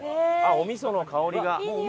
お味噌の香りが。